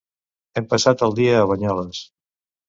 Hem passat el dia a Banyoles.